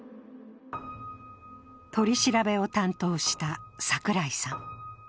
取り調べを担当した櫻井さん。